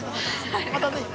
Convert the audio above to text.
またぜひ。